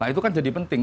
nah itu kan jadi penting